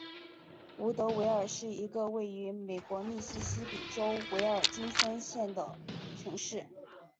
伍德维尔是一个位于美国密西西比州威尔金森县的城市。